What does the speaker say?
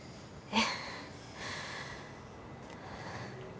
えっ？